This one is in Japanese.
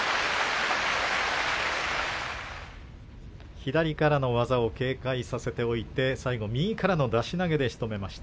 左からの技を警戒させておいて最後、右からの出し投げでしとめました。。